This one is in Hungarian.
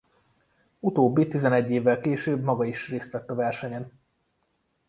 Utóbbi tizenegy évvel később maga is részt vett a versenyen.